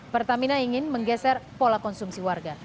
pertamina ingin menggeser pola konsumsi warga